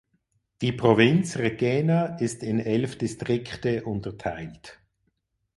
Die Provinz Requena ist in elf Distrikte unterteilt.